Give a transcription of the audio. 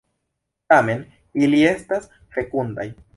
Tamen ili estas fekundaj.